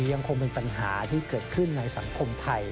ยังคงเป็นปัญหาที่เกิดขึ้นในสังคมไทย